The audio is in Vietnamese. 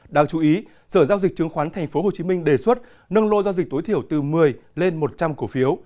đáng chú ý sở giao dịch chứng khoán tp hcm đề xuất nâng lô giao dịch tối thiểu từ một mươi lên một trăm linh cổ phiếu